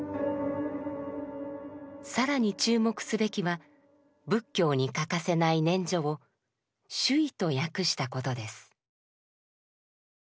更に注目すべきは仏教に欠かせない念処を「守意」と訳したことです。